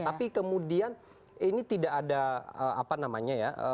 tapi kemudian ini tidak ada apa namanya ya